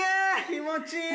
気持ちいい。